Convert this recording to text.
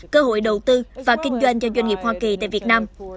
cơ hội đầu tư và kinh doanh cho doanh nghiệp hoa kỳ tại việt nam